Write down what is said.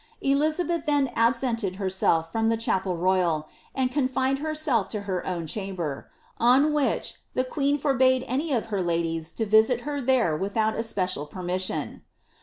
Elizabeth then ab sented herself from the chapel royal, and confined herself to her own chamber; on which, the queen forbade any of her ladies to visit her there without especial permission.